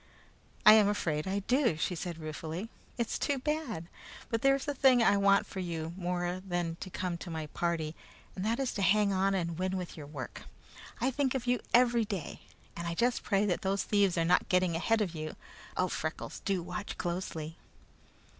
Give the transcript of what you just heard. "I am afraid I do," she said ruefully. "It's too bad! But there is a thing I want for you more than to come to my party, and that is to hang on and win with your work. I think of you every day, and I just pray that those thieves are not getting ahead of you. Oh, Freckles, do watch closely!"